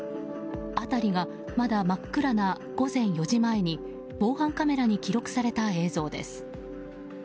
辺りがまだ真っ暗な午前４時前に防犯カメラに記録された映像です。